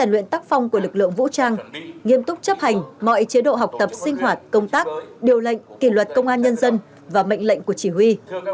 lực lượng vũ trang nghiêm túc chấp hành mọi chế độ học tập sinh hoạt công tác điều lệnh kỷ luật công an nhân dân và mệnh lệnh của chỉ huy